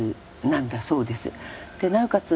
でなおかつ